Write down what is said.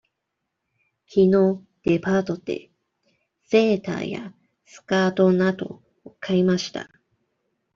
きのうデパートでセーターやスカートなどを買いました。